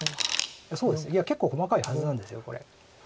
そうですねいや結構細かいはずなんですこれ。